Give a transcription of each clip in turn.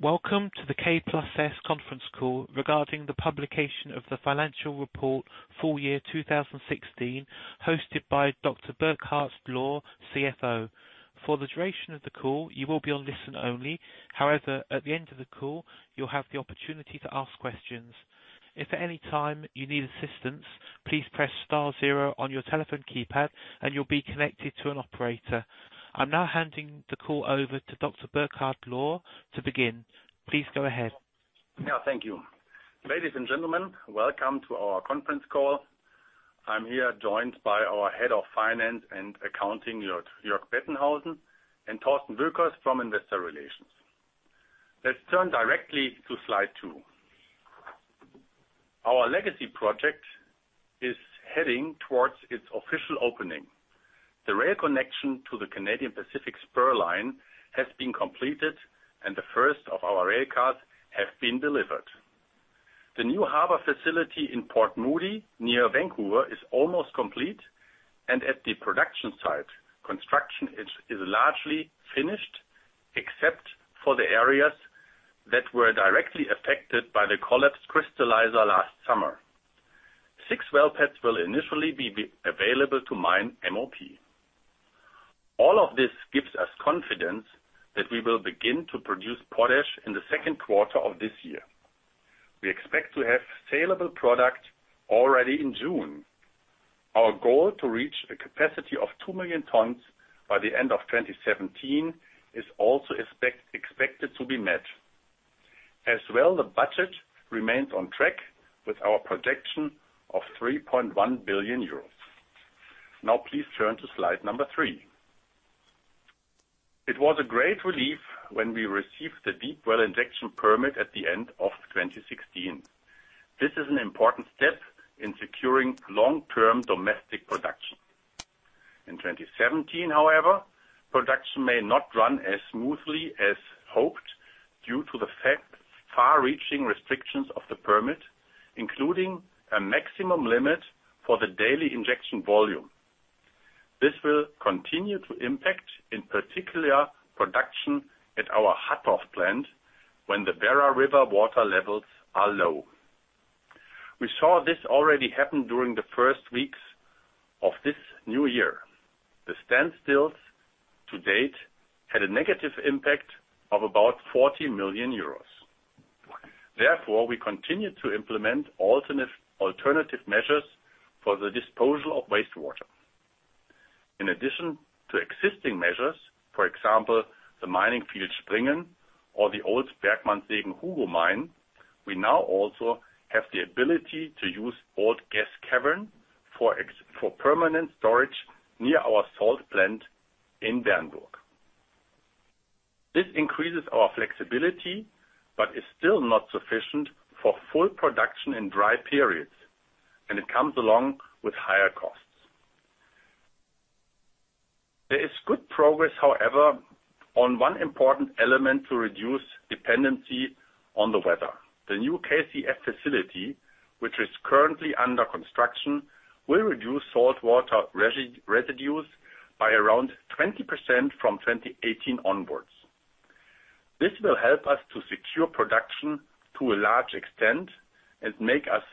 Welcome to the K+S conference call regarding the publication of the financial report full year 2016, hosted by Dr. Burkhard Lohr, CFO. For the duration of the call, you'll be on listen only. However, at the end of the call, you'll have the opportunity to ask questions. If at any time you need assistance, please press star zero on your telephone keypad, and you'll be connected to an operator. I'm now handing the call over to Dr. Burkhard Lohr to begin. Please go ahead. Yeah, thank you. Ladies and gentlemen, welcome to our conference call. I'm here joined by our Head of Finance and Accounting, Jörg Bettenhausen, and Thorsten Wölfel from Investor Relations. Let's turn directly to slide two. Our Legacy Project is heading towards its official opening. The rail connection to the Canadian Pacific spur line has been completed, and the first of our rail cars have been delivered. The new harbor facility in Port Moody, near Vancouver, is almost complete, and at the production site, construction is largely finished, except for the areas that were directly affected by the collapsed crystallizer last summer. Six well pads will initially be available to mine MOP. All of this gives us confidence that we will begin to produce potash in the second quarter of this year. We expect to have saleable product already in June. Our goal to reach a capacity of 2 million tons by the end of 2017 is also expected to be met. As well, the budget remains on track with our projection of 3.1 billion euros. Now please turn to slide number three. It was a great relief when we received the deep well injection permit at the end of 2016. This is an important step in securing long-term domestic production. In 2017, however, production may not run as smoothly as hoped due to the far-reaching restrictions of the permit, including a maximum limit for the daily injection volume. This will continue to impact, in particular, production at our Hattorf plant when the Werra River water levels are low. We saw this already happen during the first weeks of this new year. The standstills to date had a negative impact of about 40 million euros. Therefore, we continue to implement alternative measures for the disposal of wastewater. In addition to existing measures, for example, the mining field Springen or the old Bergmannssegen-Hugo mine, we now also have the ability to use old gas cavern for permanent storage near our salt plant in Bernburg. This increases our flexibility but is still not sufficient for full production in dry periods, and it comes along with higher costs. There is good progress, however, on one important element to reduce dependency on the weather. The new KCF facility, which is currently under construction, will reduce salt water residues by around 20% from 2018 onwards. This will help us to secure production to a large extent and make us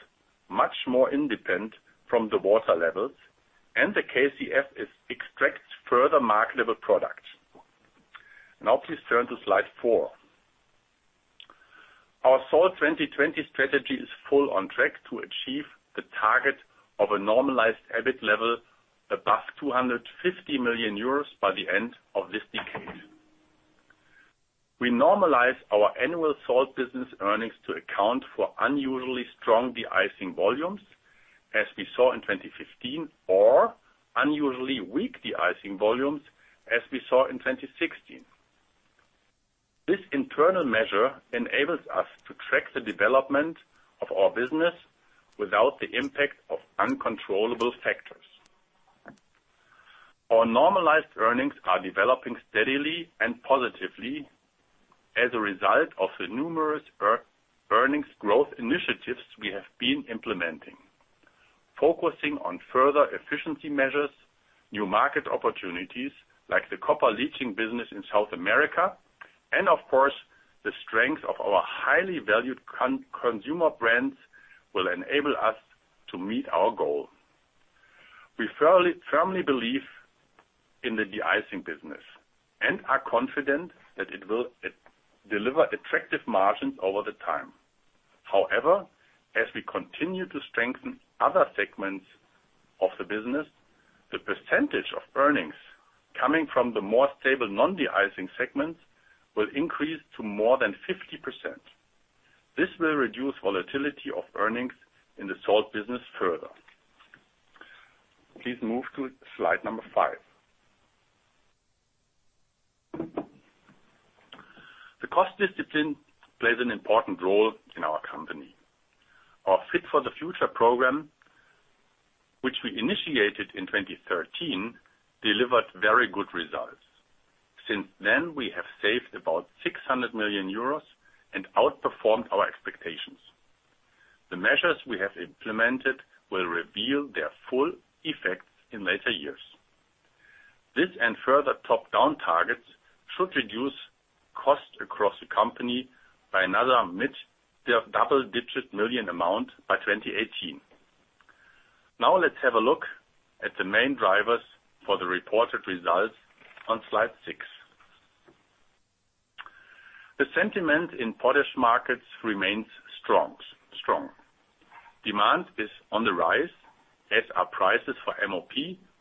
much more independent from the water levels, and the KCF extracts further marketable product. Now please turn to slide four. Our Salt 2020 strategy is full on track to achieve the target of a normalized EBIT level above 250 million euros by the end of this decade. We normalize our annual salt business earnings to account for unusually strong de-icing volumes, as we saw in 2015, or unusually weak de-icing volumes, as we saw in 2016. This internal measure enables us to track the development of our business without the impact of uncontrollable factors. Our normalized earnings are developing steadily and positively as a result of the numerous earnings growth initiatives we have been implementing. Focusing on further efficiency measures, new market opportunities, like the copper leaching business in South America, and of course, the strength of our highly valued consumer brands will enable us to meet our goal. We firmly believe in the de-icing business and are confident that it will deliver attractive margins over the time. As we continue to strengthen other segments of the business, the percentage of earnings coming from the more stable non-de-icing segments will increase to more than 50%. This will reduce volatility of earnings in the salt business further. Please move to slide number five. The cost discipline plays an important role in our company. Our Fit for the Future program, which we initiated in 2013, delivered very good results. Since then, we have saved about 600 million euros and outperformed our expectations. The measures we have implemented will reveal their full effects in later years. This and further top-down targets should reduce costs across the company by another mid- to double-digit million amount by 2018. Let's have a look at the main drivers for the reported results on slide six. The sentiment in potash markets remains strong. Demand is on the rise, as are prices for MOP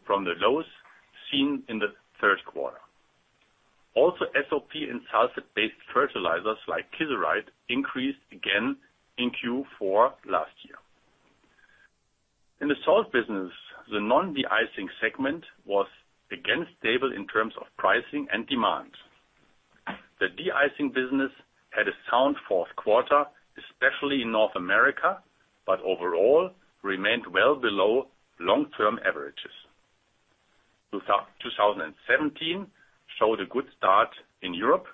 from the lows seen in the third quarter. SOP and sulfate-based fertilizers like Kieserite increased again in Q4 last year. In the salt business, the non-deicing segment was again stable in terms of pricing and demand. The deicing business had a sound fourth quarter, especially in North America, but overall remained well below long-term averages. 2017 showed a good start in Europe,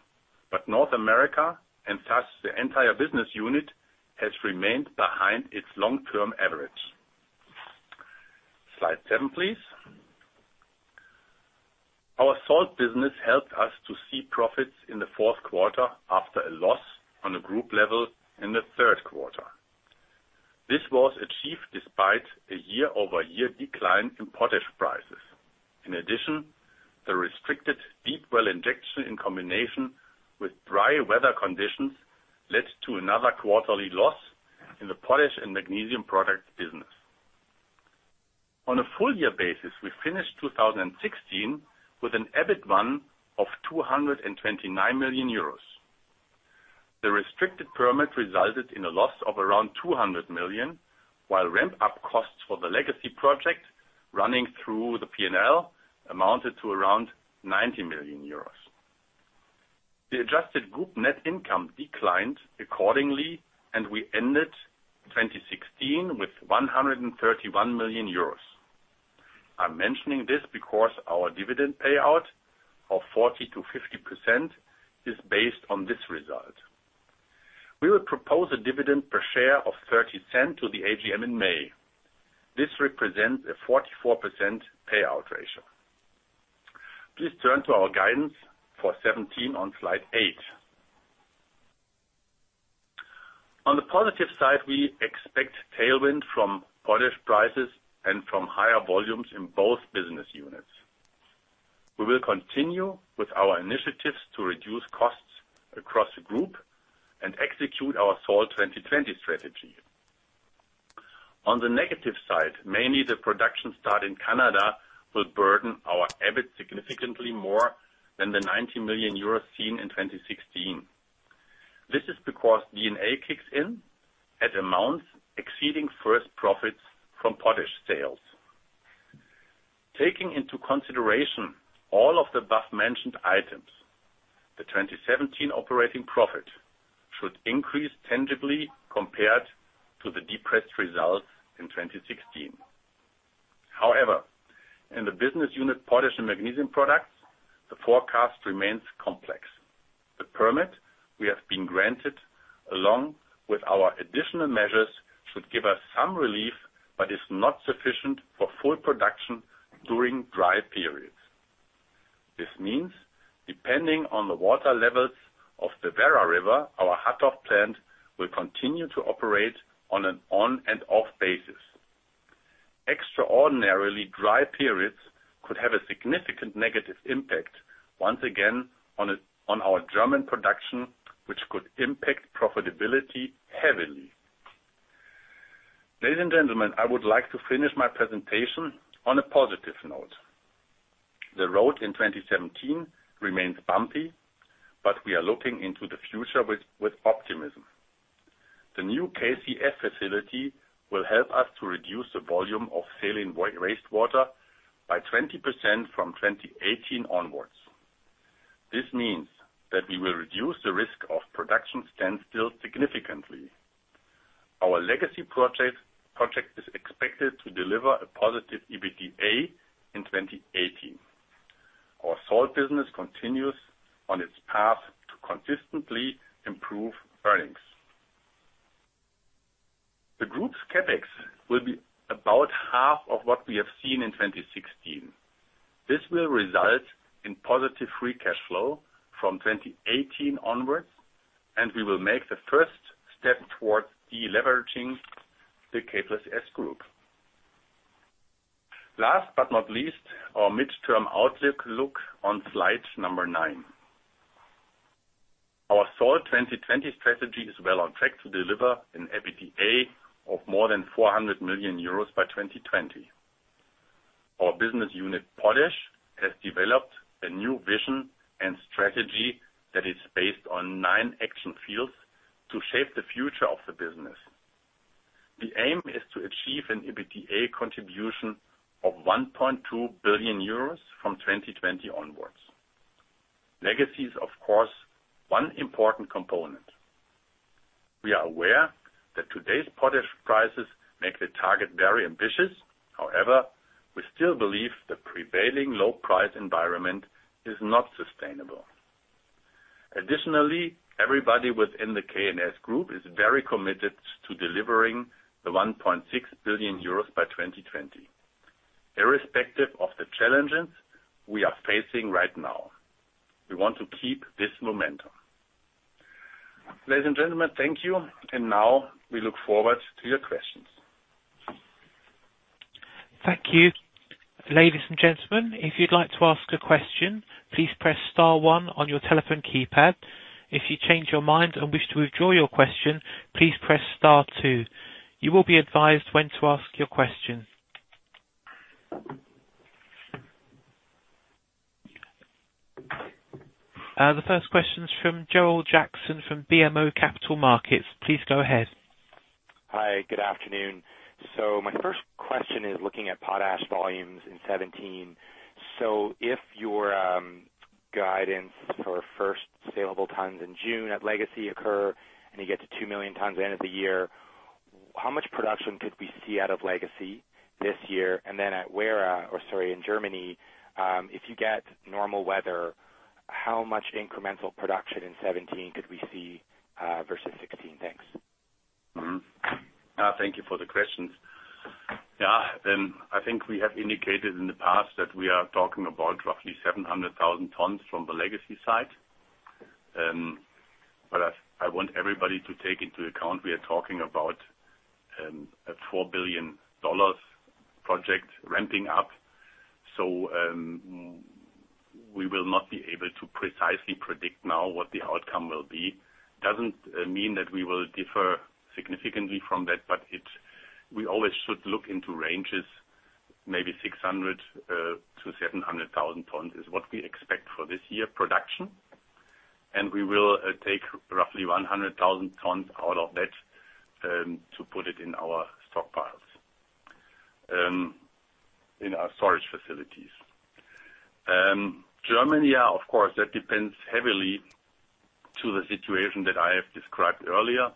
but North America, and thus the entire business unit, has remained behind its long-term average. Slide seven, please. Our salt business helped us to see profits in the fourth quarter after a loss on a group level in the third quarter. This was achieved despite a year-over-year decline in potash prices. In addition, the restricted deep well injection in combination with dry weather conditions led to another quarterly loss in the potash and magnesium products business. On a full year basis, we finished 2016 with an EBIT I of 229 million euros. The restricted permit resulted in a loss of around 200 million, while ramp-up costs for the Legacy Project running through the P&L amounted to around 90 million euros. The adjusted group net income declined accordingly, and we ended 2016 with 131 million euros. I'm mentioning this because our dividend payout of 40%-50% is based on this result. We will propose a dividend per share of 0.30 to the AGM in May. This represents a 44% payout ratio. Please turn to our guidance for 2017 on slide eight. On the positive side, we expect tailwind from potash prices and from higher volumes in both business units. We will continue with our initiatives to reduce costs across the group and execute our Salt 2020 strategy. On the negative side, mainly the production start in Canada will burden our EBIT significantly more than the 90 million euros seen in 2016. This is because D&A kicks in at amounts exceeding first profits from potash sales. Taking into consideration all of the above-mentioned items, the 2017 operating profit should increase tangibly compared to the depressed results in 2016. However, in the business unit Potash and Magnesium products, the forecast remains complex. The permit we have been granted, along with our additional measures, should give us some relief, but is not sufficient for full production during dry periods. This means, depending on the water levels of the Werra River, our Hattorf plant will continue to operate on an on and off basis. Extraordinarily dry periods could have a significant negative impact, once again, on our German production, which could impact profitability heavily. Ladies and gentlemen, I would like to finish my presentation on a positive note. The road in 2017 remains bumpy, but we are looking into the future with optimism. The new KCF facility will help us to reduce the volume of saline wastewater by 20% from 2018 onwards. This means that we will reduce the risk of production standstill significantly. Our Legacy Project is expected to deliver a positive EBITDA in 2018. Our salt business continues on its path to consistently improve earnings. The group's CapEx will be about half of what we have seen in 2016. This will result in positive free cash flow from 2018 onwards, and we will make the first step towards deleveraging the K+S group. Last but not least, our midterm outlook on slide number nine. Our Salt 2020 strategy is well on track to deliver an EBITDA of more than 400 million euros by 2020. Our business unit, Potash, has developed a new vision and strategy that is based on nine action fields to shape the future of the business. The aim is to achieve an EBITDA contribution of 1.2 billion euros from 2020 onwards. Legacy is, of course, one important component. We are aware that today's potash prices make the target very ambitious. However, we still believe the prevailing low price environment is not sustainable. Additionally, everybody within the K+S group is very committed to delivering the 1.6 billion euros by 2020. Irrespective of the challenges we are facing right now, we want to keep this momentum. Ladies and gentlemen, thank you. Now we look forward to your questions. Thank you. Ladies and gentlemen, if you'd like to ask a question, please press star one on your telephone keypad. If you change your mind and wish to withdraw your question, please press star two. You will be advised when to ask your question. The first question is from Joel Jackson from BMO Capital Markets. Please go ahead. Hi, good afternoon. My first question is looking at potash volumes in 2017. If your guidance for first saleable tons in June at Legacy occur, and you get to 2 million tons end of the year, how much production could we see out of Legacy this year? Then at Werra, or sorry, in Germany, if you get normal weather, how much incremental production in 2017 could we see, versus 2016? Thanks. Thank you for the questions. I think we have indicated in the past that we are talking about roughly 700,000 tons from the Legacy side. I want everybody to take into account, we are talking about a $4 billion project ramping up. We will not be able to precisely predict now what the outcome will be. It does not mean that we will differ significantly from that, we always should look into ranges, maybe 600,000-700,000 tons is what we expect for this year production. We will take roughly 100,000 tons out of that to put it in our stockpiles, in our storage facilities. Germany, of course, that depends heavily to the situation that I have described earlier.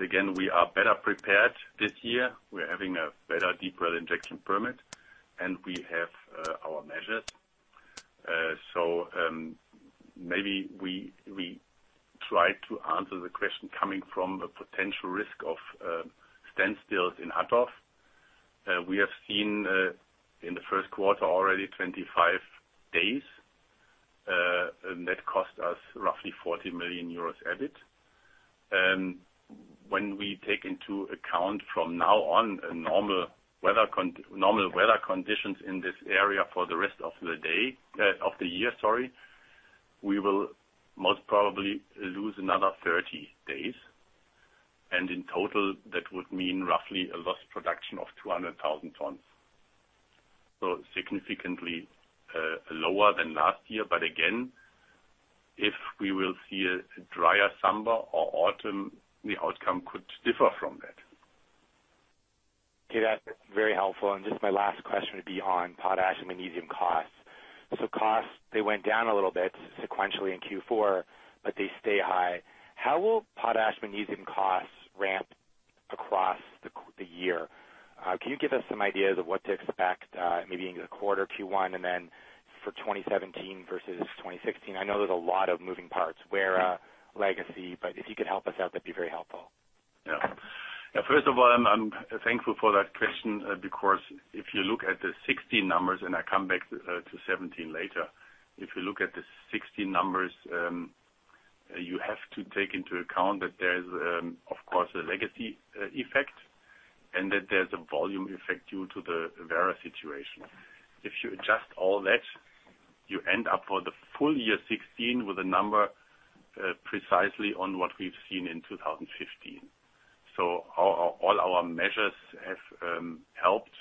Again, we are better prepared this year. We are having a better deep well injection permit, and we have our measures. Maybe we try to answer the question coming from the potential risk of standstills in Hattorf. We have seen in the first quarter already 25 days, and that cost us roughly 40 million euros EBIT. When we take into account from now on a normal weather conditions in this area for the rest of the year, sorry, we will most probably lose another 30 days. In total, that would mean roughly a lost production of 200,000 tons. Significantly lower than last year. Again, if we will see a drier summer or autumn, the outcome could differ from that. Okay. That is very helpful. Just my last question would be on potash and magnesium costs. Costs, they went down a little bit sequentially in Q4, they stay high. How will potash magnesium costs ramp across the year? Can you give us some ideas of what to expect, maybe in the quarter Q1 and then for 2017 versus 2016? I know there is a lot of moving parts, Werra, Legacy, if you could help us out, that would be very helpful. First of all, I am thankful for that question because if you look at the 2016 numbers, and I come back to 2017 later. If you look at the 2016 numbers, you have to take into account that there is, of course, a Legacy Project effect, and that there is a volume effect due to the Werra situation. If you adjust all that, you end up for the full year 2016 with a number precisely on what we have seen in 2015. All our measures have helped.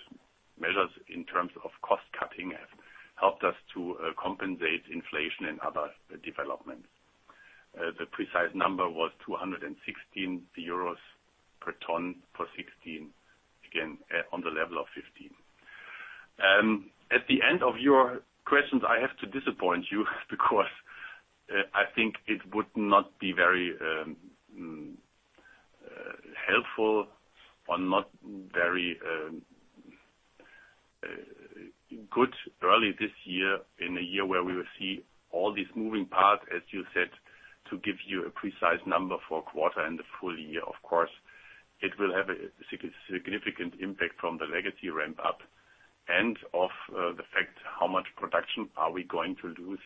Measures in terms of cost-cutting have helped us to compensate inflation and other developments. The precise number was 216 euros per ton for 2016. Again, on the level of 2015. At the end of your questions, I have to disappoint you because I think it would not be very helpful or not very good early this year, in a year where we will see all these moving parts, as you said, to give you a precise number for a quarter and the full year. Of course, it will have a significant impact from the Legacy Project ramp-up and of the fact how much production are we going to lose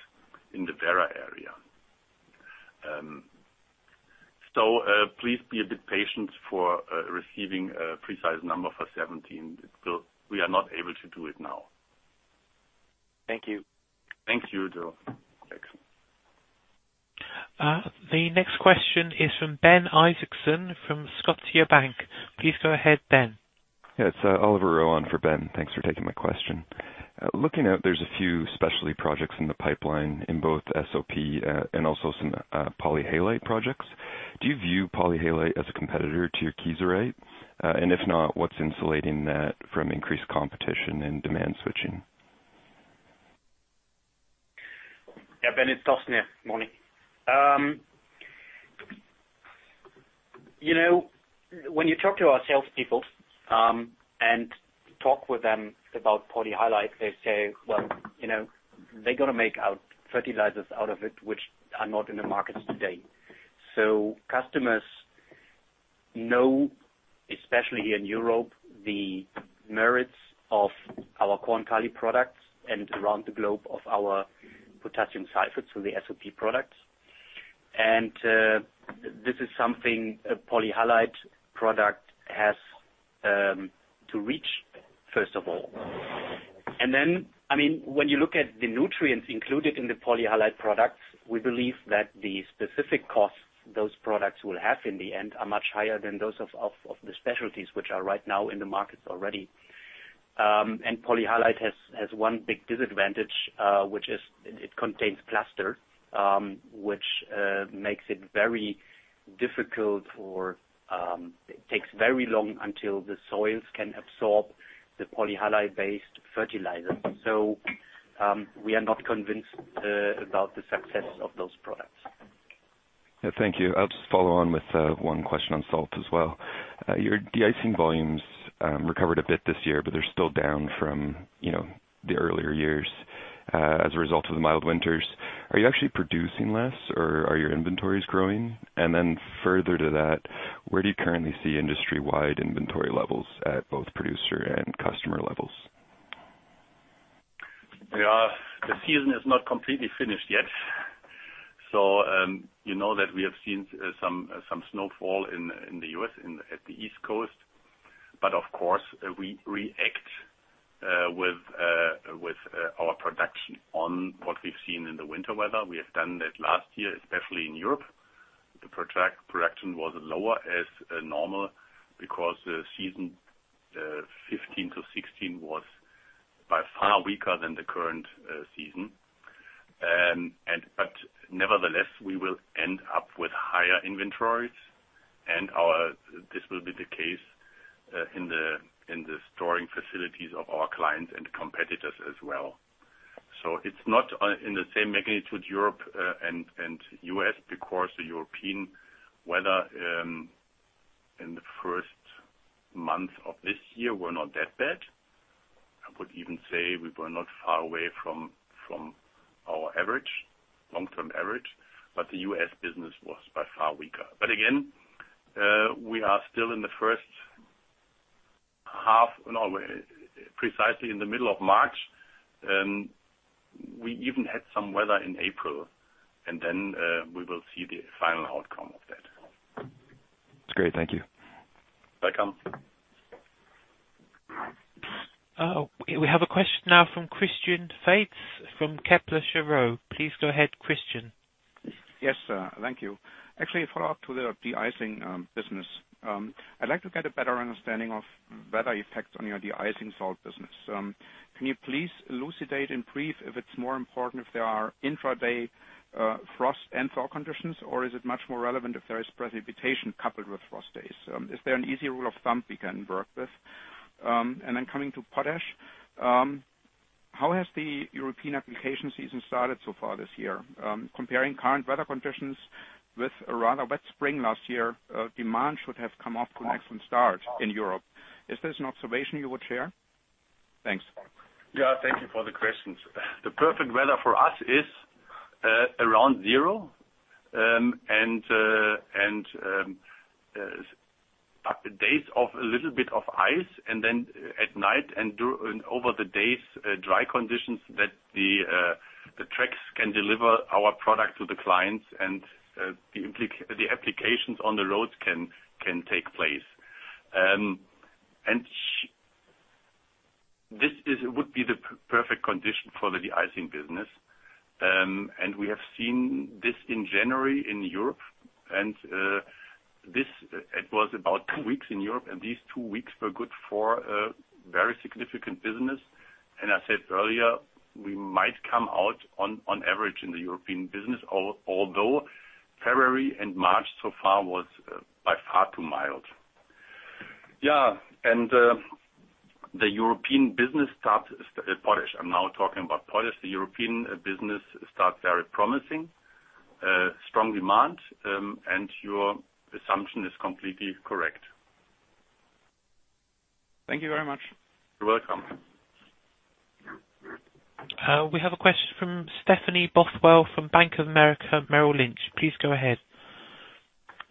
in the Werra area. So, please be a bit patient for receiving a precise number for 2017. We are not able to do it now. Thank you. Thank you, Joel. Thanks. The next question is from Ben Isaacson from Scotiabank. Please go ahead, Ben. Yeah. It's Oliver Rowe for Ben. Thanks for taking my question. Looking out, there's a few specialty projects in the pipeline in both SOP, and also some polyhalite projects. Do you view polyhalite as a competitor to your Kieserite? If not, what's insulating that from increased competition and demand switching? Yeah, Ben, it's Thorsten. Morning. When you talk to our salespeople and talk with them about polyhalite, they say, "Well, they're going to make fertilizers out of it, which are not in the markets today." Customers know, especially in Europe, the merits of our Korn-Kali products and around the globe of our potassium sulfate, so the SOP products. This is something a polyhalite product has to reach, first of all. Then, when you look at the nutrients included in the polyhalite products, we believe that the specific costs those products will have in the end are much higher than those of the specialties, which are right now in the markets already. Polyhalite has one big disadvantage, which is it contains plaster, which makes it very difficult or takes very long until the soils can absorb the polyhalite-based fertilizer. We are not convinced about the success of those products. Thank you. I'll just follow on with one question on salt as well. Your de-icing volumes recovered a bit this year, they're still down from the earlier years as a result of the mild winters. Are you actually producing less, are your inventories growing? Further to that, where do you currently see industry-wide inventory levels at both producer and customer levels? The season is not completely finished yet. You know that we have seen some snowfall in the U.S. at the East Coast. Of course, we react with our production on what we've seen in the winter weather. We have done that last year, especially in Europe. The production was lower as normal because the season 2015 to 2016 was by far weaker than the current season. Nevertheless, we will end up with higher inventories, this will be the case in the storing facilities of our clients and competitors as well. It's not in the same magnitude Europe and U.S., because the European weather in the first month of this year were not that bad. I would even say we were not far away from our long-term average, the U.S. business was by far weaker. Again, we are still in the first half, precisely in the middle of March. We even had some weather in April, we will see the final outcome of that. That's great. Thank you. Welcome. We have a question now from Christian Veith from Kepler Cheuvreux. Please go ahead, Christian. Yes, thank you. Actually, a follow-up to the de-icing business. I'd like to get a better understanding of weather effects on your de-icing salt business. Can you please elucidate in brief if it's more important if there are intraday frost and thaw conditions, or is it much more relevant if there is precipitation coupled with frost days? Is there an easy rule of thumb we can work with? Then coming to potash, how has the European application season started so far this year? Comparing current weather conditions with a rather wet spring last year, demand should have come off to an excellent start in Europe. Is this an observation you would share? Thanks. Thank you for the questions. The perfect weather for us is around zero, and days of a little bit of ice, and then at night and over the days, dry conditions that the trucks can deliver our product to the clients and the applications on the roads can take place. This would be the perfect condition for the de-icing business. We have seen this in January in Europe, and it was about two weeks in Europe, and these two weeks were good for very significant business. I said earlier, we might come out on average in the European business, although February and March so far was by far too mild. The European business. I'm now talking about potash. The European business starts very promising, strong demand, and your assumption is completely correct. Thank you very much. You're welcome. We have a question from Stephanie Bothwell from Bank of America Merrill Lynch. Please go ahead.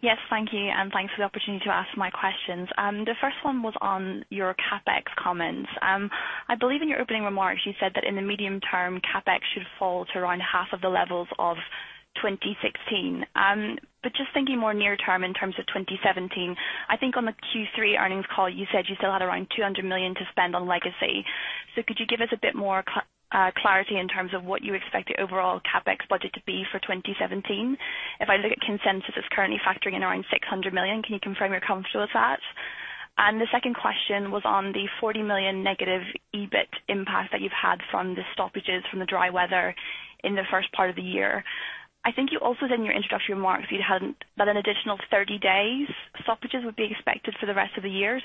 Yes, thank you, and thanks for the opportunity to ask my questions. The first one was on your CapEx comments. I believe in your opening remarks, you said that in the medium term, CapEx should fall to around half of the levels of 2016. Just thinking more near term in terms of 2017, I think on the Q3 earnings call, you said you still had around 200 million to spend on Legacy. Could you give us a bit more clarity in terms of what you expect the overall CapEx budget to be for 2017? If I look at consensus, it's currently factoring in around 600 million. Can you confirm you're comfortable with that? The second question was on the 40 million negative EBIT impact that you've had from the stoppages from the dry weather in the first part of the year. I think you also said in your introductory remarks that an additional 30 days stoppages would be expected for the rest of the year. Is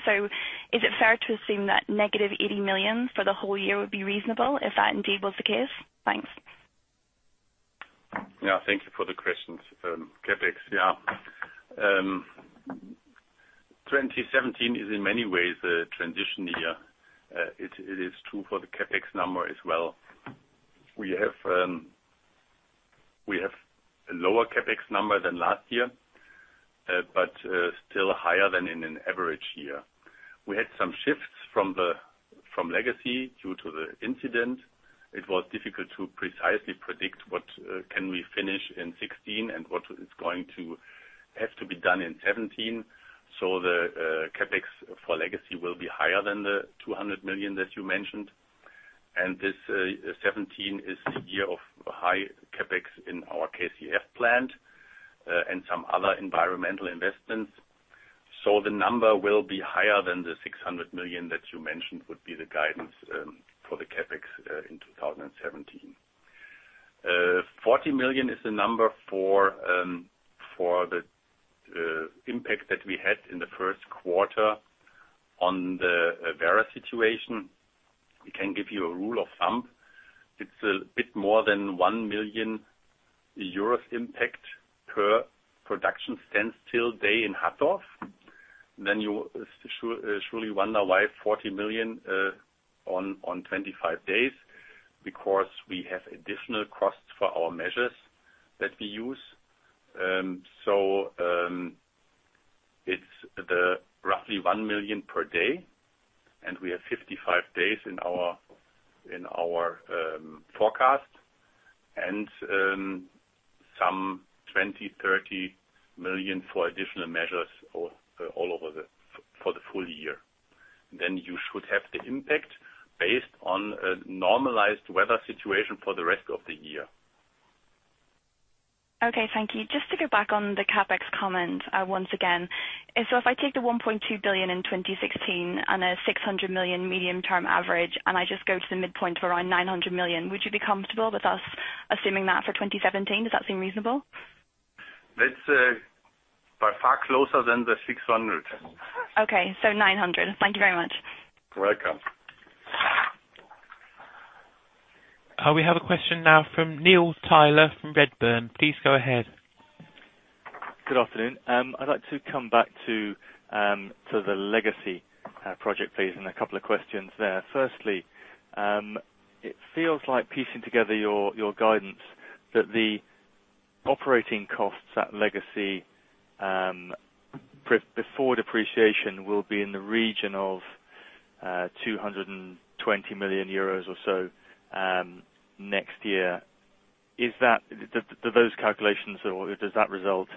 it fair to assume that negative 80 million for the whole year would be reasonable if that indeed was the case? Thanks. Thank you for the questions. CapEx. 2017 is in many ways a transition year. It is true for the CapEx number as well. We have a lower CapEx number than last year, but still higher than in an average year. We had some shifts from Legacy due to the incident. It was difficult to precisely predict what can we finish in 2016 and what is going to have to be done in 2017. The CapEx for Legacy will be higher than the 200 million that you mentioned. This 2017 is the year of high CapEx in our KCF plant and some other environmental investments. The number will be higher than the 600 million that you mentioned would be the guidance for the CapEx in 2017. 40 million is the number for the impact that we had in the first quarter on the weather situation. We can give you a rule of thumb. It's a bit more than 1 million euros impact per production standstill day in Hattorf. You surely wonder why 40 million on 25 days. Because we have additional costs for our measures that we use. It's roughly 1 million per day, and we have 55 days in our forecast and some 20 million-30 million for additional measures for the full year. You should have the impact based on a normalized weather situation for the rest of the year. Okay. Thank you. Just to go back on the CapEx comment once again. If I take the 1.2 billion in 2016 and a 600 million medium term average, and I just go to the midpoint of around 900 million, would you be comfortable with us assuming that for 2017? Does that seem reasonable? That's by far closer than the 600 million. Okay. 900. Thank you very much. You're welcome. We have a question now from Neil Tyler from Redburn. Please go ahead. Good afternoon. I'd like to come back to the Legacy Project, please, and a couple of questions there. Firstly, it feels like piecing together your guidance that the operating costs at Legacy, before depreciation, will be in the region of 220 million euros or so next year. Do those calculations or does that result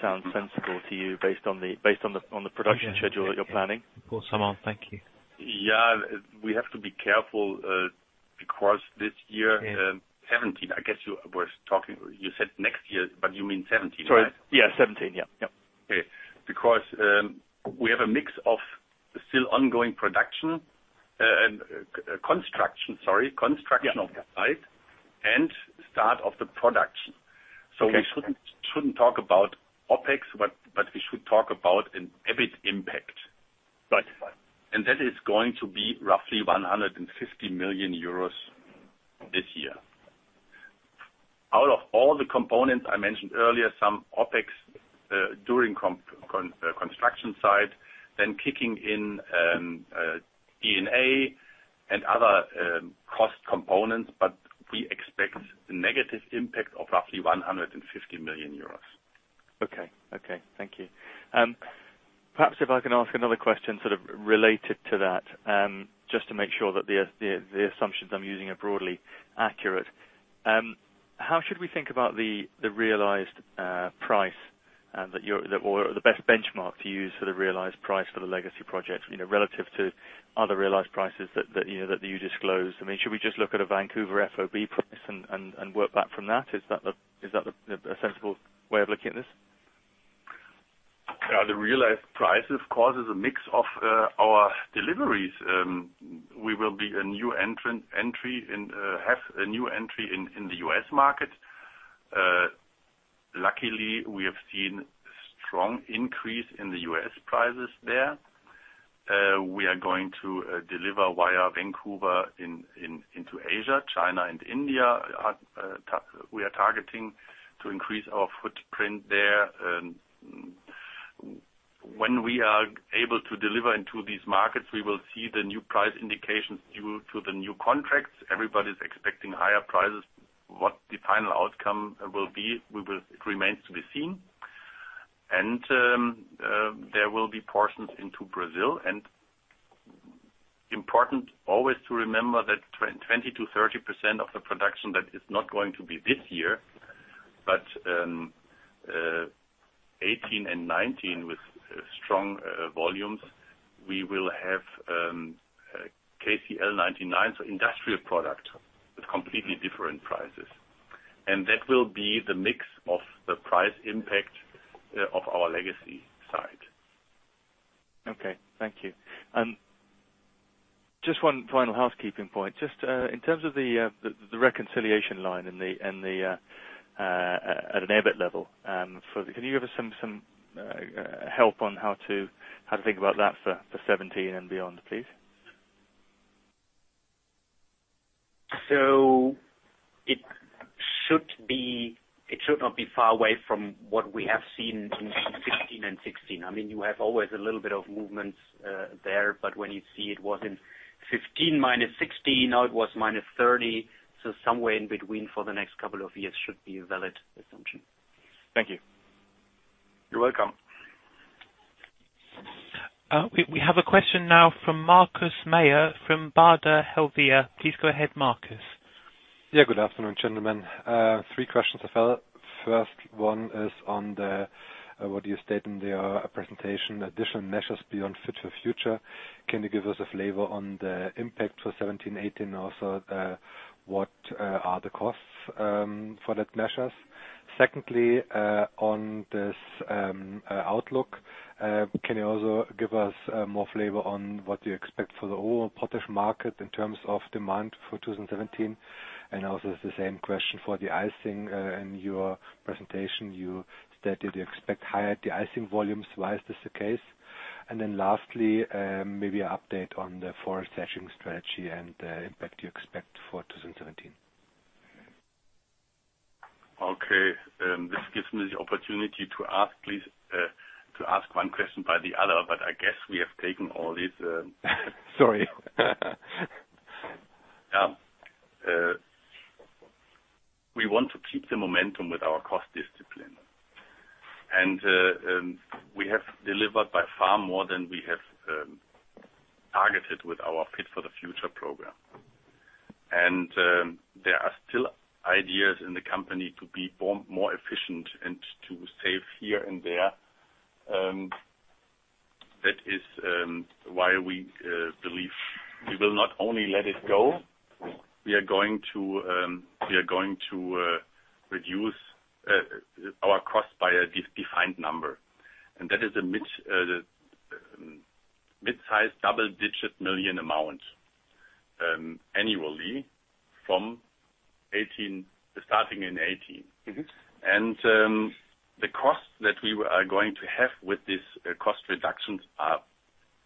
sound sensible to you based on the production schedule that you're planning? Of course. Thank you. Yeah. We have to be careful because this year 2017, I guess you were talking, you said next year, but you mean 2017, right? Sorry. Yeah, 2017. Yeah. Okay. We have a mix of still ongoing production and construction, sorry, construction of the site and start of the production. Okay. We shouldn't talk about OpEx, but we should talk about an EBIT impact. Right. That is going to be roughly 150 million euros this year. Out of all the components I mentioned earlier, some OpEx during construction site, then kicking in D&A and other cost components, but we expect a negative impact of roughly 150 million euros. Okay. Thank you. Perhaps if I can ask another question sort of related to that, just to make sure that the assumptions I'm using are broadly accurate. How should we think about the realized price, or the best benchmark to use for the realized price for the Legacy Project, relative to other realized prices that you disclosed? I mean, should we just look at a Vancouver FOB price and work back from that? Is that a sensible way of looking at this? The realized prices causes a mix of our deliveries. We will have a new entry in the U.S. market. Luckily, we have seen strong increase in the U.S. prices there. We are going to deliver via Vancouver into Asia, China and India. We are targeting to increase our footprint there. When we are able to deliver into these markets, we will see the new price indications due to the new contracts. Everybody's expecting higher prices. What the final outcome will be, it remains to be seen. There will be portions into Brazil. Important always to remember that 20%-30% of the production, that is not going to be this year, but 2018 and 2019 with strong volumes. We will have KCl 99, so industrial product with completely different prices. That will be the mix of the price impact of our Legacy side. Okay. Thank you. Just one final housekeeping point. Just in terms of the reconciliation line at an EBIT level, can you give us some help on how to think about that for 2017 and beyond, please? It should not be far away from what we have seen in 2015 and 2016. You have always a little bit of movements there, but when you see it was in 2015, minus 16, now it was minus 30. Somewhere in between for the next couple of years should be a valid assumption. Thank you. You're welcome. We have a question now from Markus Mayer from Baader Helvea. Please go ahead, Markus. Yeah. Good afternoon, gentlemen. Three questions. First one is on what you state in the presentation, additional measures beyond Fit for the Future. Can you give us a flavor on the impact for 2017-2018, also what are the costs for that measures? Secondly, on this outlook, can you also give us more flavor on what you expect for the overall potash market in terms of demand for 2017, and also the same question for the de-icing. In your presentation, you stated you expect higher de-icing volumes. Why is this the case? Lastly, maybe an update on the ForEx hedging strategy and the impact you expect for 2017. Okay. This gives me the opportunity to ask one question by the other, I guess we have taken all these- Sorry. We want to keep the momentum with our cost discipline. We have delivered by far more than we have targeted with our Fit for the Future program. There are still ideas in the company to be more efficient and to save here and there. That is why we believe we will not only let it go, we are going to reduce our cost by a defined number. That is a mid-size double-digit million amount annually from starting in 2018. The costs that we are going to have with these cost reductions are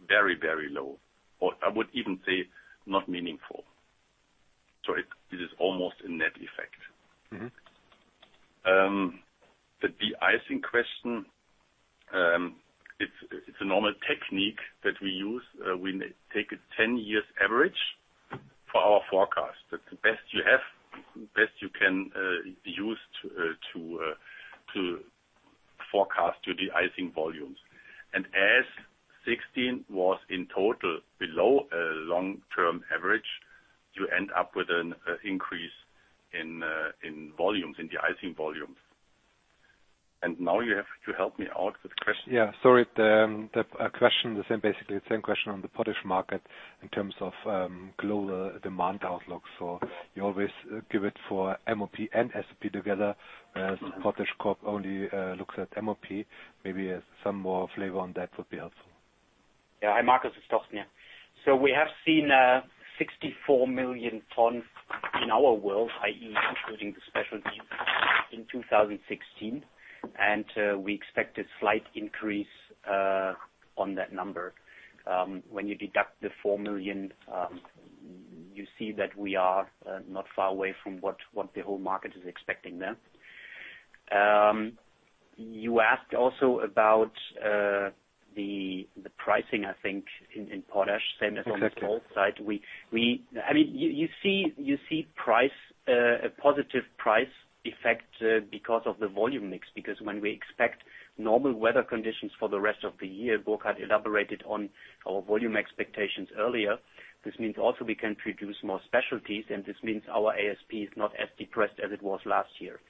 very low, or I would even say not meaningful. It is almost a net effect. The de-icing question, it's a normal technique that we use. We take a 10-year average for our forecast. That's the best you have, best you can use to forecast your de-icing volumes. As 2016 was in total below a long-term average, you end up with an increase in de-icing volumes. Now you have to help me out with the question. Yeah. Sorry. Basically, the same question on the potash market in terms of global demand outlook. You always give it for MOP and SOP together, whereas PotashCorp only looks at MOP. Maybe some more flavor on that would be helpful. Yeah. Hi, Markus, it's Thorsten. We have seen 64 million tons in our world, i.e., including the specialty in 2016, and we expect a slight increase on that number. When you deduct the 4 million, you see that we are not far away from what the whole market is expecting there. You asked also about the pricing, I think, in potash, same as on the salt side. Exactly. You see a positive price effect because of the volume mix, because when we expect normal weather conditions for the rest of the year, Burkhard elaborated on our volume expectations earlier. This means also we can produce more specialties, and this means our ASP is not as depressed as it was last year.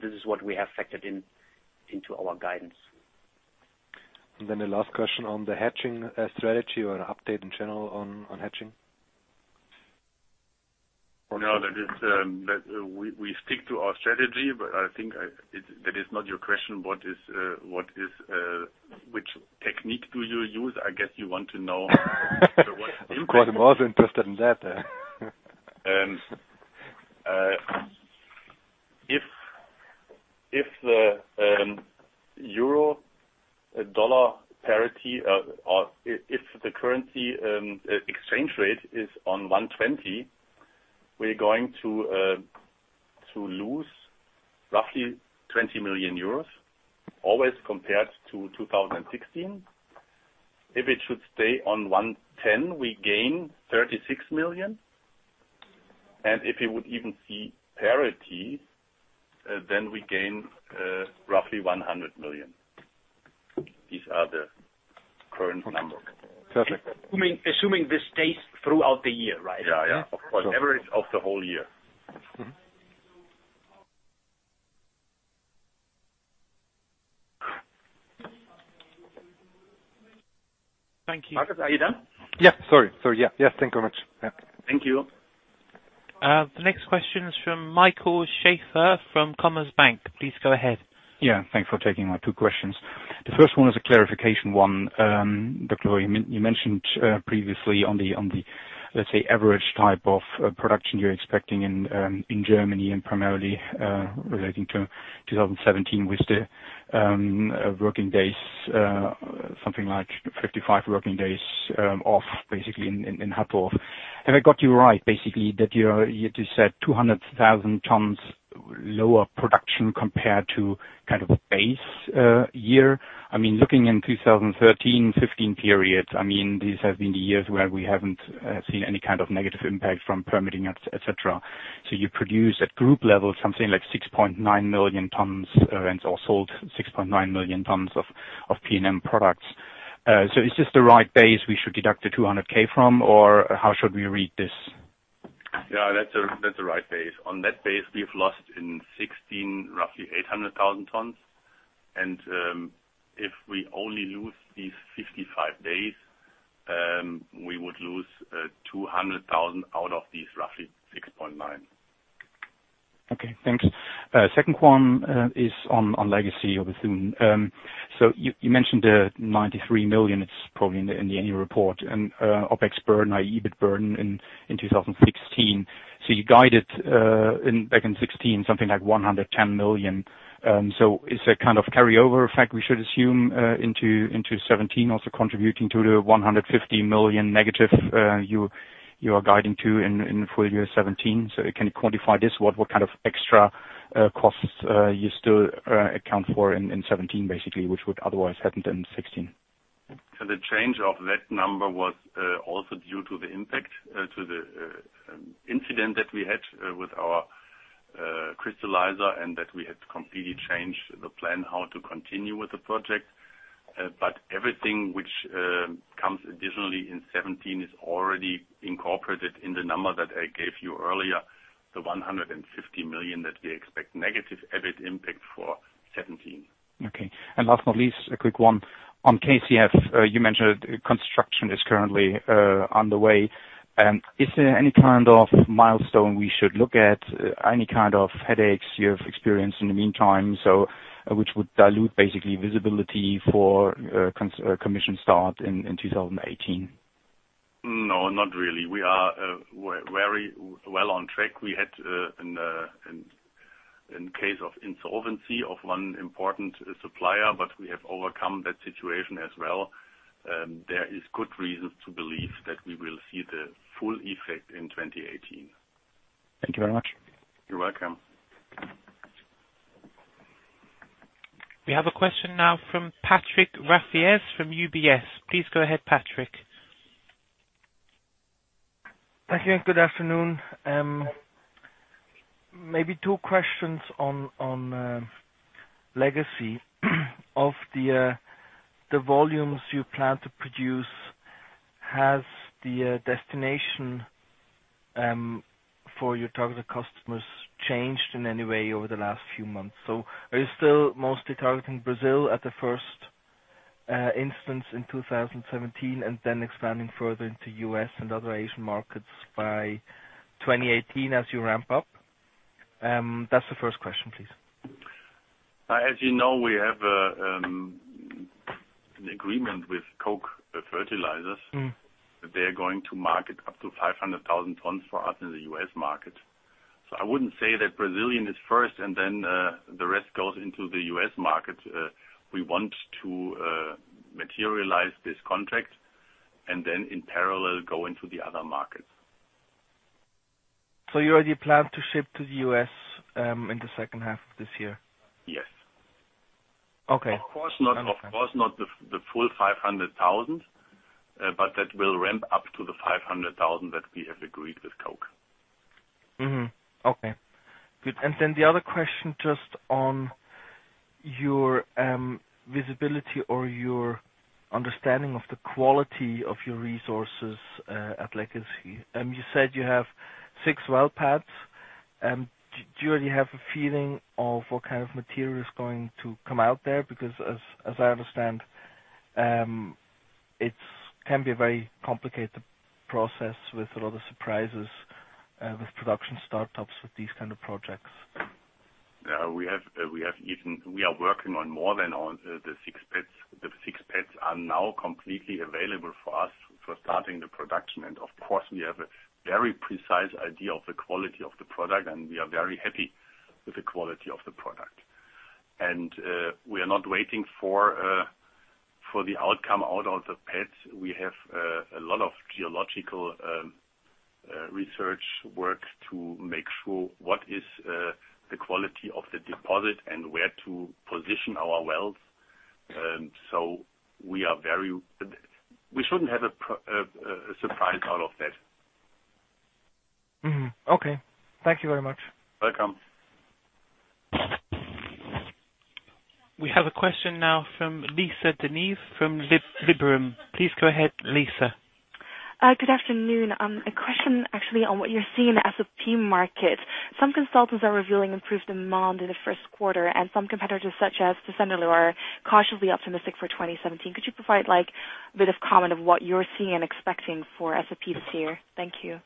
This is what we have factored into our guidance. The last question on the hedging strategy or an update in general on hedging. For now, we stick to our strategy, I think that is not your question, which technique do you use? I'm quite more interested in that. If the euro-dollar parity, or if the currency exchange rate is on 120, we're going to lose roughly 20 million euros, always compared to 2016. If it should stay on 110, we gain 36 million. If it would even see parity, then we gain roughly 100 million. These are the current numbers. Okay. Perfect. Assuming this stays throughout the year, right? Yeah. An average of the whole year. Mm-hmm. Thank you. Markus, are you done? Yeah. Sorry. Yes, thanks so much. Yeah. Thank you. The next question is from Michael Schäfer from Commerzbank. Please go ahead. Yeah. Thanks for taking my two questions. The first one is a clarification one. Dr. Lohr, you mentioned previously on the, let's say, average type of production you're expecting in Germany and primarily relating to 2017 with the working days, something like 55 working days off, basically in Hattorf. Have I got you right, basically, that you just said 200,000 tons lower production compared to base year. Looking in 2013, 2015 periods, these have been the years where we haven't seen any kind of negative impact from permitting, et cetera. You produce at group level something like 6.9 million tons, and/or sold 6.9 million tons of P&M products. Is this the right base we should deduct the 200,000 from? Or how should we read this? Yeah, that's the right base. On that base, we've lost in 2016 roughly 800,000 tons. If we only lose these 55 days, we would lose 200,000 out of these roughly 6.9 Okay, thanks. Second one is on Legacy, obviously. You mentioned the 93 million, it's probably in the annual report, and OpEx burden, EBIT burden in 2016. You guided back in 2016, something like 110 million. It's a kind of carryover effect we should assume into 2017, also contributing to the 150 million negative you are guiding to in full year 2017? Can you quantify this? What kind of extra costs you still account for in 2017, basically, which would otherwise happen in 2016? The change of that number was also due to the impact to the incident that we had with our crystallizer, and that we had completely changed the plan how to continue with the project. Everything which comes additionally in 2017 is already incorporated in the number that I gave you earlier, the 150 million that we expect negative EBIT impact for 2017. Okay. Last but least, a quick one. On KCF, you mentioned construction is currently underway. Is there any kind of milestone we should look at? Any kind of headaches you have experienced in the meantime, which would dilute basically visibility for commission start in 2018? No, not really. We are very well on track. We had a case of insolvency of one important supplier, but we have overcome that situation as well. There is good reason to believe that we will see the full effect in 2018. Thank you very much. You're welcome. We have a question now from Patrick Rafaisz from UBS. Please go ahead, Patrick. Patrick, good afternoon. Maybe two questions on Legacy. Of the volumes you plan to produce, has the destination for your target customers changed in any way over the last few months? Are you still mostly targeting Brazil at the first instance in 2017, and then expanding further into U.S. and other Asian markets by 2018 as you ramp up? That's the first question, please. As you know, we have an agreement with Koch Fertilizer. They're going to market up to 500,000 tons for us in the U.S. market. I wouldn't say that Brazilian is first and then the rest goes into the U.S. market. We want to materialize this contract and then in parallel go into the other markets. You already plan to ship to the U.S. in the second half of this year? Yes. Okay. Of course not the full 500,000, that will ramp up to the 500,000 that we have agreed with Koch. Mm-hmm. Okay. Good. The other question, just on your visibility or your understanding of the quality of your resources at Legacy. You said you have six well pads. Do you already have a feeling of what kind of material is going to come out there? As I understand, it can be a very complicated process with a lot of surprises with production startups with these kind of projects. Yeah. We are working on more than the six pads. The six pads are now completely available for us for starting the production. Of course, we have a very precise idea of the quality of the product, and we are very happy with the quality of the product. We are not waiting for the outcome out of the pads. We have a lot of geological research work to make sure what is the quality of the deposit and where to position our wells. We shouldn't have a surprise out of that. Mm-hmm. Okay. Thank you very much. Welcome. We have a question now from Lisa De Vise from Liberum. Please go ahead, Lisa. Good afternoon. A question actually on what you're seeing in the SOP market. Some consultants are revealing improved demand in the first quarter, and some competitors such as PotashCorp are cautiously optimistic for 2017. Could you provide a bit of comment of what you're seeing and expecting for SOPs here? Thank you.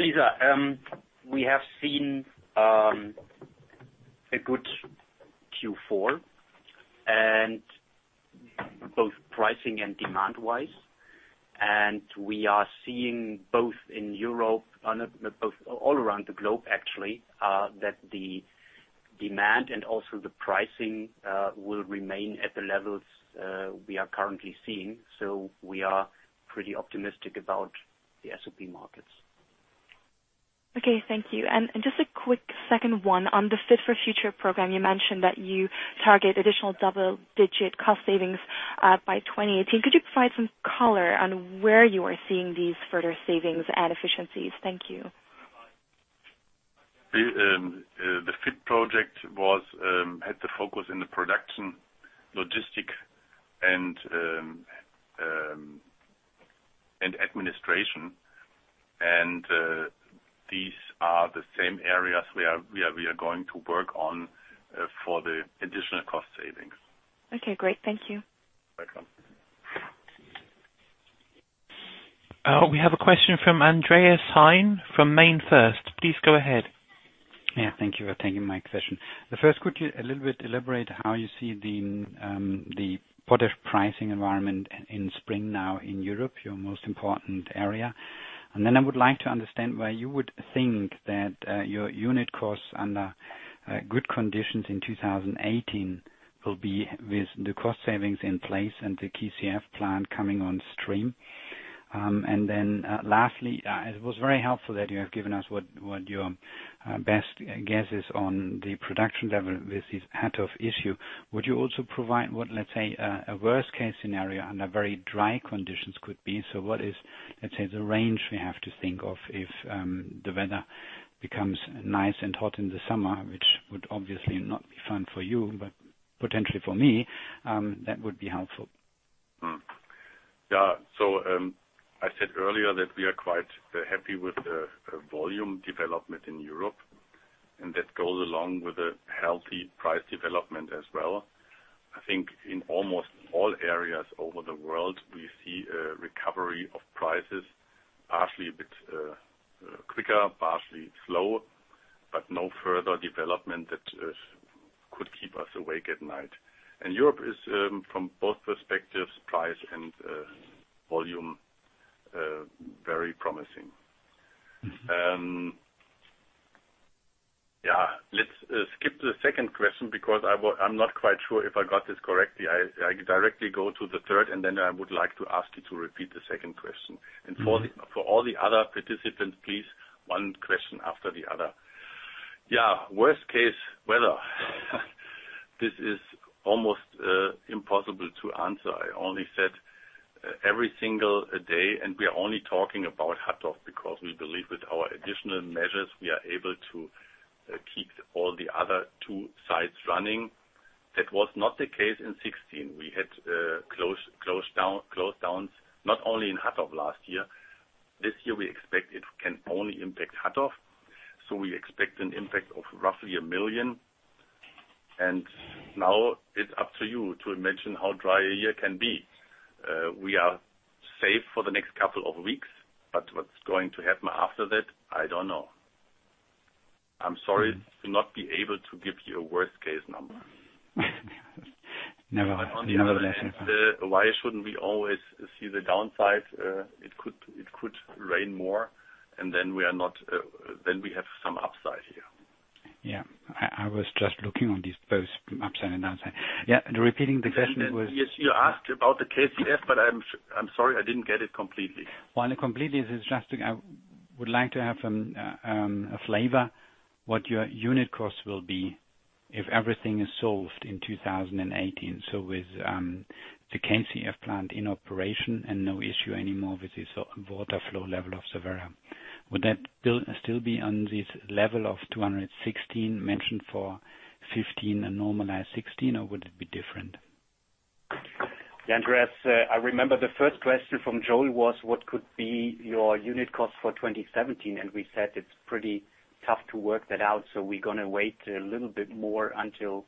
Lisa, we have seen a good Q4, both pricing and demand-wise. We are seeing both in Europe, all around the globe actually, that the. Demand and also the pricing will remain at the levels we are currently seeing. We are pretty optimistic about the SOP markets. Okay, thank you. Just a quick second one. On the Fit for the Future program, you mentioned that you target additional double-digit cost savings by 2018. Could you provide some color on where you are seeing these further savings and efficiencies? Thank you. The Fit project had the focus in the production, logistics, and administration. These are the same areas we are going to work on for the additional cost savings. Okay, great. Thank you. Welcome. We have a question from Andreas Hein from MainFirst. Please go ahead. Yeah, thank you. Thank you for taking my question. First, could you a little bit elaborate how you see the potash pricing environment in spring now in Europe, your most important area? I would like to understand why you would think that your unit costs under good conditions in 2018 will be with the cost savings in place and the KCF plant coming on stream. Lastly, it was very helpful that you have given us what your best guess is on the production level with this Hattorf issue. Would you also provide what, let's say, a worst-case scenario under very dry conditions could be? What is, let's say, the range we have to think of if the weather becomes nice and hot in the summer, which would obviously not be fun for you, but potentially for me, that would be helpful. Yeah. I said earlier that we are quite happy with the volume development in Europe, and that goes along with a healthy price development as well. I think in almost all areas over the world, we see a recovery of prices, partially a bit quicker, partially slower, but no further development that could keep us awake at night. Europe is, from both perspectives, price and volume, very promising. Let's skip the second question because I'm not quite sure if I got this correctly. I directly go to the third, then I would like to ask you to repeat the second question. For all the other participants, please, one question after the other. Worst case weather. This is almost impossible to answer. I only said every single day, and we are only talking about Hattorf because we believe with our additional measures, we are able to keep all the other two sites running. That was not the case in 2016. We had close-downs not only in Hattorf last year. This year, we expect it can only impact Hattorf. We expect an impact of roughly 1 million. Now it's up to you to imagine how dry a year can be. We are safe for the next couple of weeks, what's going to happen after that, I don't know. I'm sorry to not be able to give you a worst-case number. Never mind. On the other hand, why shouldn't we always see the downside? It could rain more, then we have some upside here. Yeah. I was just looking on this both from upside and downside. Yes. You asked about the KCF, but I'm sorry, I didn't get it completely. Not completely. I would like to have a flavor what your unit cost will be if everything is solved in 2018. With the KCF plant in operation and no issue anymore with the water flow level of the Werra. Would that still be on this level of 216 mentioned for 2015 and normalized 2016, or would it be different? Andreas, I remember the first question from Joey was what could be your unit cost for 2017, and we said it's pretty tough to work that out. We're going to wait a little bit more until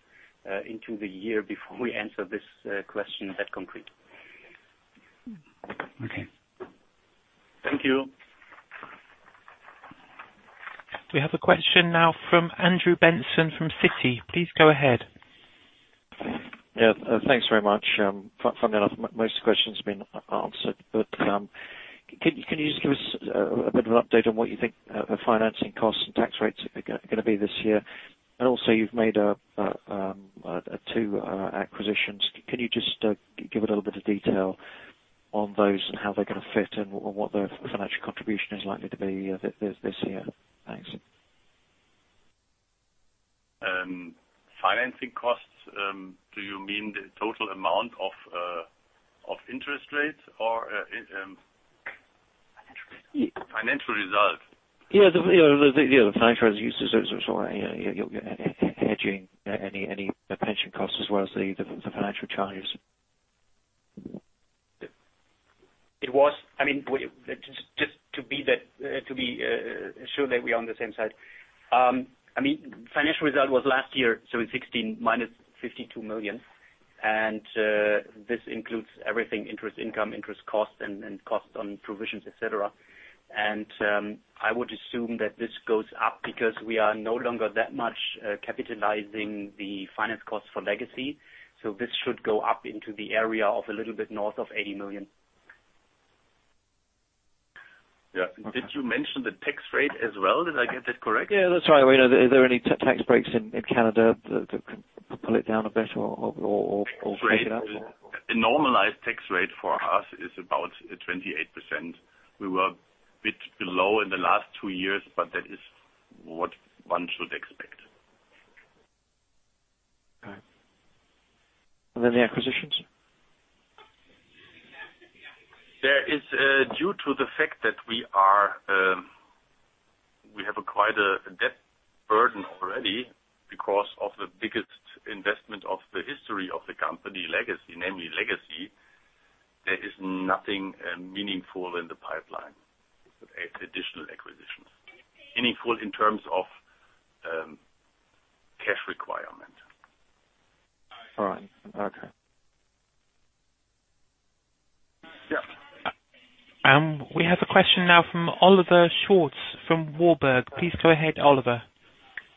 into the year before we answer this question that concrete. Okay. Thank you. We have a question now from Andrew Benson from Citi. Please go ahead. Yeah. Thanks very much. Funnily enough, most of the question's been answered. Can you just give us a bit of an update on what you think the financing costs and tax rates are going to be this year? Also you've made two acquisitions. Can you just give a little bit of detail on those and how they're going to fit in or what the financial contribution is likely to be this year? Thanks. Financing costs. Do you mean the total amount of interest rates or? Financial result Financial result? Yeah. The financial uses or hedging any pension costs as well as the financial charges. Just to be sure that we're on the same side. Financial result was last year, so in 2016, minus 52 million. This includes everything, interest income, interest costs, and costs on provisions, et cetera. I would assume that this goes up because we are no longer that much capitalizing the finance cost for Legacy. This should go up into the area of a little bit north of 80 million. Yeah. Did you mention the tax rate as well? Did I get that correct? Yeah, that's right. Are there any tax breaks in Canada that can pull it down a bit or take it up? The normalized tax rate for us is about 28%. We were a bit below in the last two years, that is what one should expect. All right. The acquisitions? Due to the fact that we have quite a debt burden already because of the biggest investment of the history of the company, Legacy, namely Legacy, there is nothing meaningful in the pipeline as additional acquisitions. Meaningful in terms of cash requirement. All right. Okay. Yeah. We have a question now from Oliver Schwarz from Warburg. Please go ahead, Oliver.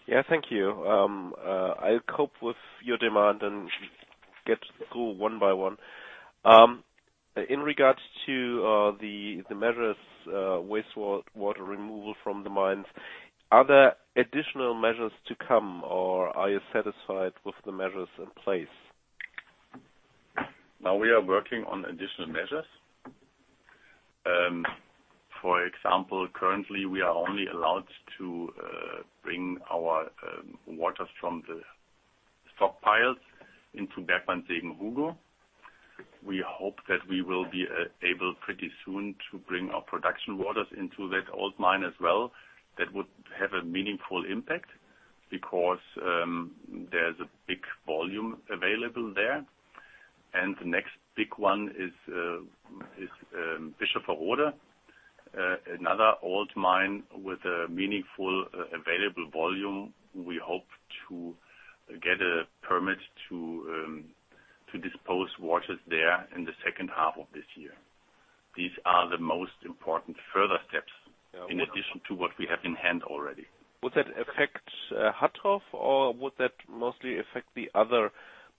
Yeah, thank you. I'll cope with your demand and get through one by one. In regards to the measures, wastewater removal from the mines, are there additional measures to come, or are you satisfied with the measures in place? Now we are working on additional measures. For example, currently, we are only allowed to bring our waters from the stockpiles into Bergmannssegen-Hugo. We hope that we will be able pretty soon to bring our production waters into that old mine as well. That would have a meaningful impact because there is a big volume available there. The next big one is Bischofferode, another old mine with a meaningful available volume. We hope to get a permit to dispose waters there in the second half of this year. These are the most important further steps in addition to what we have in hand already. Would that affect Hattorf, or would that mostly affect the other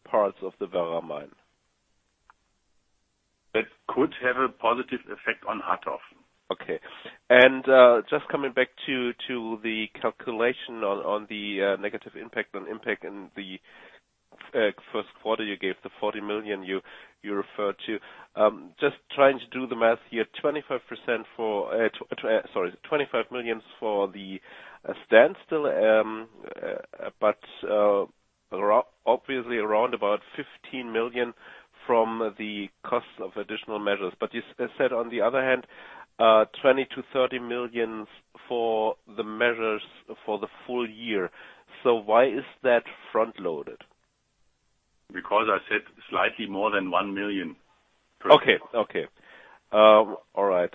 parts of the Werra mine? That could have a positive effect on Hattorf. Okay. Just coming back to the calculation on the negative impact on impact in the first quarter, you gave the 40 million you referred to. Just trying to do the math here, 25 million for the standstill. Obviously around about 15 million from the cost of additional measures. You said on the other hand, 20 million to 30 million for the measures for the full year. Why is that front-loaded? I said slightly more than 1 million. Okay. All right.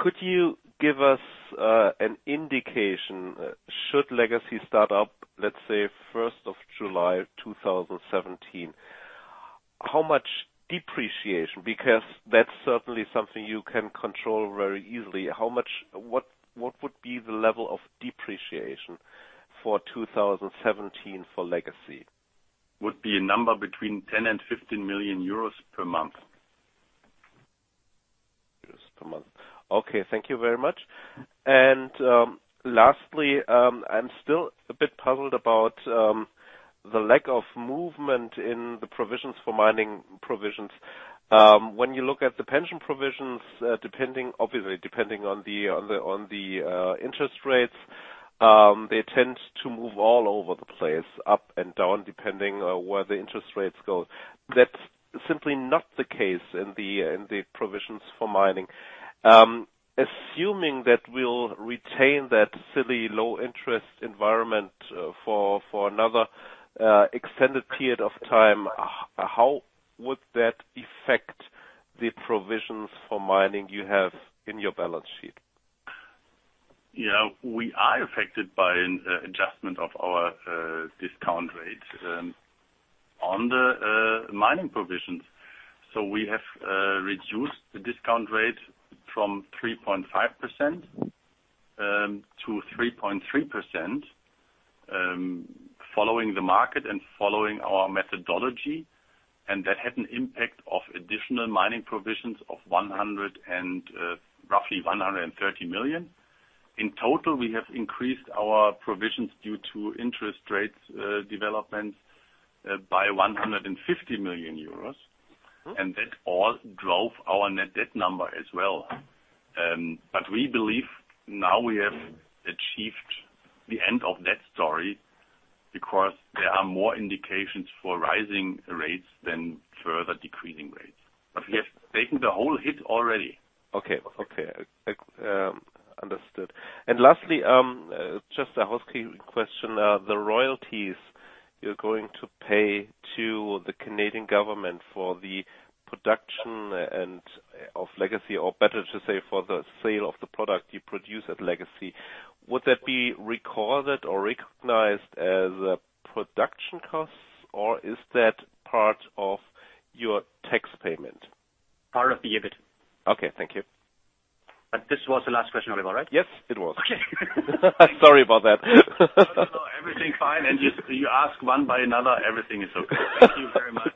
Could you give us an indication, should Legacy start up, let's say, first of July 2017, how much depreciation, because that's certainly something you can control very easily. What would be the level of depreciation for 2017 for Legacy? Would be a number between 10 million and 15 million euros per month. EUR per month. Okay, thank you very much. Lastly, I'm still a bit puzzled about the lack of movement in the provisions for mining provisions. When you look at the pension provisions, obviously depending on the interest rates, they tend to move all over the place, up and down, depending where the interest rates go. That's simply not the case in the provisions for mining. Assuming that we'll retain that silly low interest environment for another extended period of time, how would that affect the provisions for mining you have in your balance sheet? We are affected by an adjustment of our discount rate on the mining provisions. We have reduced the discount rate from 3.5% to 3.3%, following the market and following our methodology, and that had an impact of additional mining provisions of roughly 130 million. In total, we have increased our provisions due to interest rates developments by 150 million euros, and that all drove our net debt number as well. We believe now we have achieved the end of that story, because there are more indications for rising rates than further decreasing rates. We have taken the whole hit already. Okay. Understood. Lastly, just a housekeeping question. The royalties you're going to pay to the Canadian government for the production of Legacy, or better to say, for the sale of the product you produce at Legacy, would that be recorded or recognized as a production cost, or is that part of your tax payment? Part of the EBIT. Okay, thank you. This was the last question, Oliver, right? Yes, it was. Okay. Sorry about that. No, everything fine. Just you ask one by another, everything is okay. Thank you very much.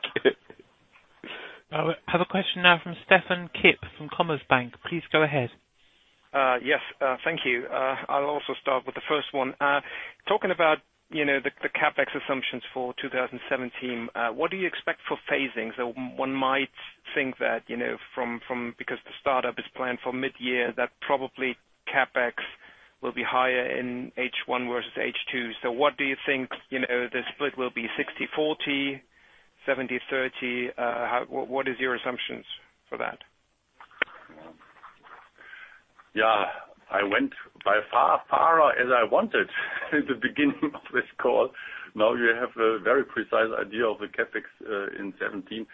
We have a question now from Steffen Kipp from Commerzbank. Please go ahead. Yes. Thank you. I'll also start with the first one. Talking about the CapEx assumptions for 2017, what do you expect for phasing? One might think that because the startup is planned for mid-year, that probably CapEx will be higher in H1 versus H2. What do you think the split will be, 60/40, 70/30? What is your assumptions for that? Yeah. I went by far as I wanted in the beginning of this call. Now you have a very precise idea of the CapEx in 2017.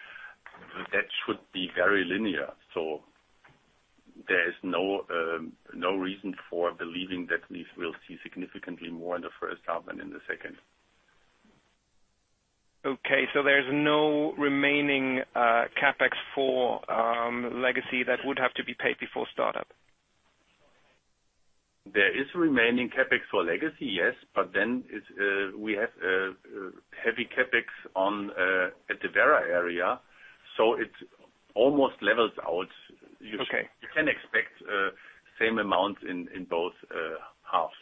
That should be very linear. There is no reason for believing that we will see significantly more in the first half than in the second. Okay, there's no remaining CapEx for Legacy that would have to be paid before startup. There is remaining CapEx for Legacy, yes. We have heavy CapEx at the Werra area, it almost levels out. Okay. You can expect same amount in both halves.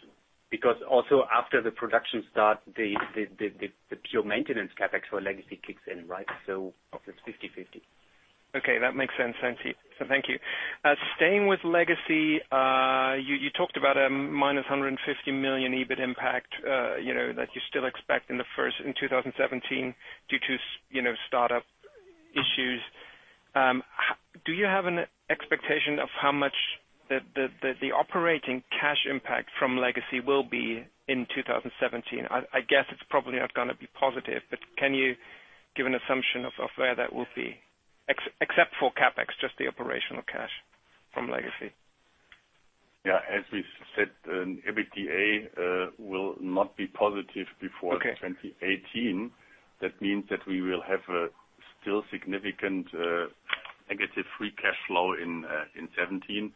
Also after the production start, the pure maintenance CapEx for Legacy kicks in, right? It's 50/50. Okay, that makes sense. Thank you. Staying with Legacy, you talked about a minus 150 million EBIT impact that you still expect in 2017 due to startup issues. Do you have an expectation of how much the operating cash impact from Legacy will be in 2017? I guess it's probably not going to be positive, but can you give an assumption of where that will be? Except for CapEx, just the operational cash from Legacy. Yeah. As we said, EBITDA will not be positive. Okay 2018. That means that we will have a still significant negative free cash flow in 2017,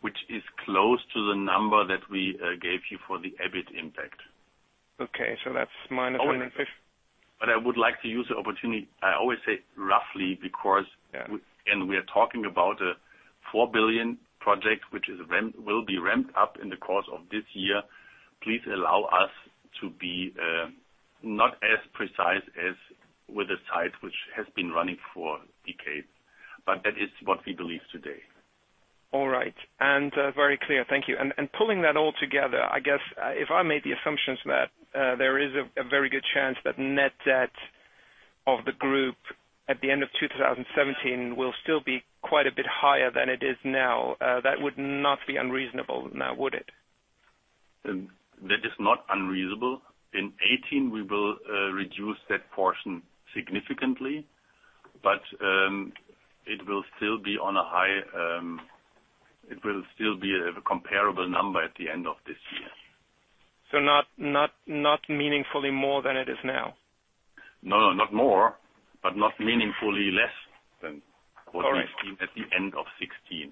which is close to the number that we gave you for the EBIT impact. Okay. That's minus 150. I would like to use the opportunity. I always say roughly. Yeah We are talking about a $4 billion project, which will be ramped up in the course of this year. Please allow us to be not as precise as with a site which has been running for decades. That is what we believe today. All right. Very clear. Thank you. Pulling that all together, I guess, if I made the assumptions that there is a very good chance that net debt of the group at the end of 2017 will still be quite a bit higher than it is now. That would not be unreasonable now, would it? That is not unreasonable. In 2018, we will reduce that portion significantly. It will still be a comparable number at the end of this year. Not meaningfully more than it is now. No, not more, but not meaningfully less than. All right. what we've seen at the end of 2016.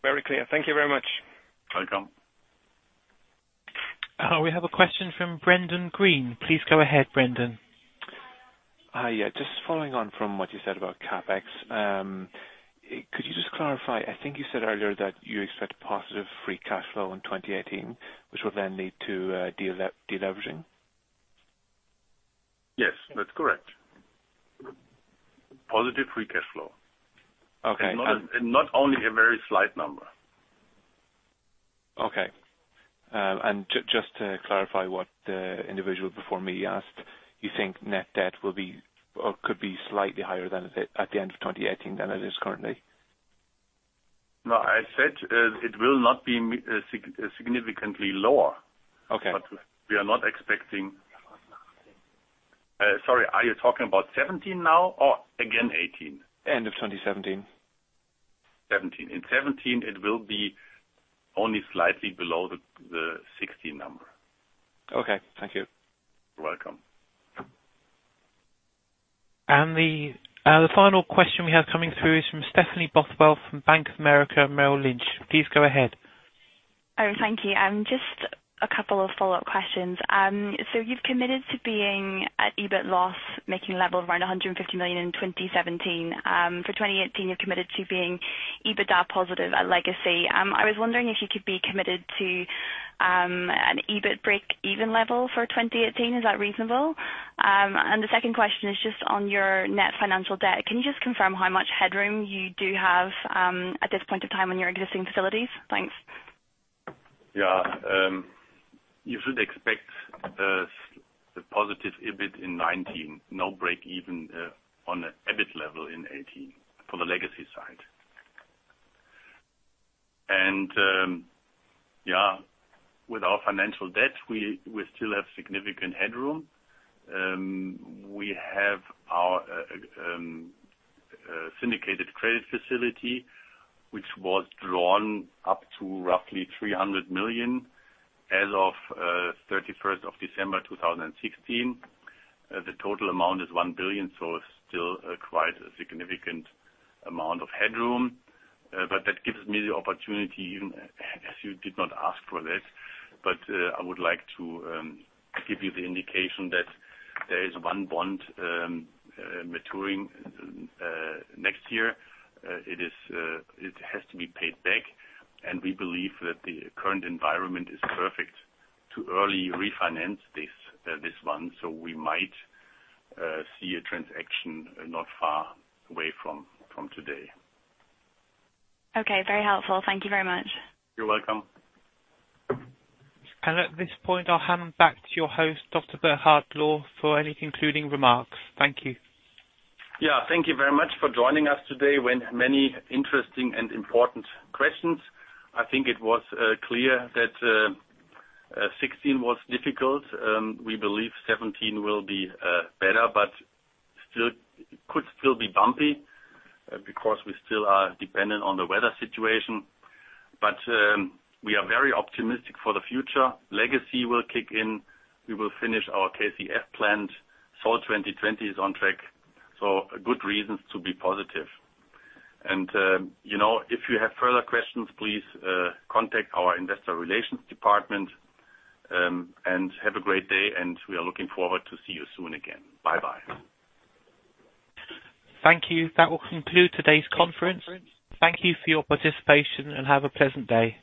Very clear. Thank you very much. Welcome. We have a question from Brendan Green. Please go ahead, Brendan. Hi. Yeah, just following on from what you said about CapEx. Could you just clarify, I think you said earlier that you expect positive free cash flow in 2018, which will then lead to de-leveraging? Yes, that's correct. Positive free cash flow. Okay. Not only a very slight number. Okay. Just to clarify what the individual before me asked, you think net debt could be slightly higher at the end of 2018 than it is currently? No, I said it will not be significantly lower. Okay. We are not expecting. Sorry, are you talking about 2017 now or again 2018? End of 2017. 2017. In 2017, it will be only slightly below the 2016 number. Okay. Thank you. You're welcome. The final question we have coming through is from Stephanie Bothwell from Bank of America Merrill Lynch. Please go ahead. Thank you. Just a couple of follow-up questions. You've committed to being at EBIT loss making level of around 150 million in 2017. For 2018, you've committed to being EBITDA positive at Legacy. I was wondering if you could be committed to an EBIT break-even level for 2018. Is that reasonable? The second question is just on your net financial debt. Can you just confirm how much headroom you do have at this point of time on your existing facilities? Thanks. Yeah. You should expect the positive EBIT in 2019, no break even on the EBIT level in 2018 for the Legacy side. With our financial debt, we still have significant headroom. We have our syndicated credit facility, which was drawn up to roughly 300 million as of 31st of December 2016. The total amount is 1 billion, so it's still quite a significant amount of headroom. That gives me the opportunity, even as you did not ask for that, I would like to give you the indication that there is one bond maturing next year. It has to be paid back. We believe that the current environment is perfect to early refinance this one. We might see a transaction not far away from today. Okay. Very helpful. Thank you very much. You're welcome. At this point, I'll hand back to your host, Dr. Burkhard Lohr, for any concluding remarks. Thank you. Yeah. Thank you very much for joining us today with many interesting and important questions. I think it was clear that 2016 was difficult. We believe 2017 will be better, but could still be bumpy because we still are dependent on the weather situation. We are very optimistic for the future. Legacy will kick in. We will finish our KCF plant. Salt 2020 is on track, good reasons to be positive. If you have further questions, please contact our investor relations department, and have a great day, and we are looking forward to see you soon again. Bye-bye. Thank you. That will conclude today's conference. Thank you for your participation, and have a pleasant day.